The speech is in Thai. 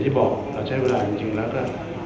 บอกว่าเราใช้เวลาอย่างจริงแล้วก็